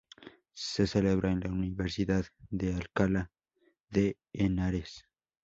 Se celebra en la Universidad de Alcalá de Henares.